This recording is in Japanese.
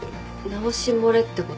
直し漏れってこと？